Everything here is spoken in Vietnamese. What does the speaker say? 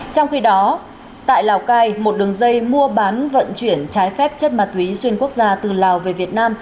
trong khi đó tại lào cai một đường dây mua bán vận chuyển trái phép chất ma túy xuyên quốc gia từ lào về việt nam